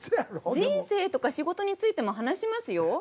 人生とか仕事についても話しますよ。